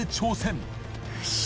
よし。